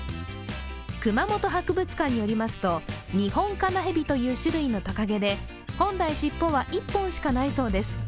熊本博物館によりますと、ニホンカナヘビという種類のとかげで、本来、尻尾は１本しかないそうです。